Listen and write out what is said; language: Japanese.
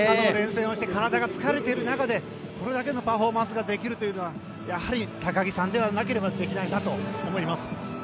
連戦をして体が疲れている中でこれだけのパフォーマンスができるというのはやはり高木さんでなければできないなと思います。